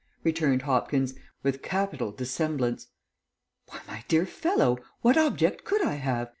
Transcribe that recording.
returned Hopkins, with capital dissemblance. "Why, my dear fellow, what object could I have?